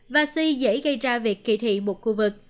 và si dễ gây ra việc kỳ thị một khu vực